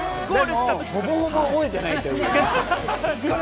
でも、ほぼほぼ覚えていないというね。